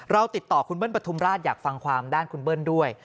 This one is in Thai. เราติดต่อคุณเบิ้ลปฐุมราชอยากฟังความด้านคุณเบิ้ลด้วย